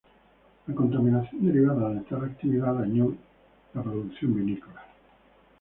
La contaminación derivada de tal actividad daño la producción vinícola.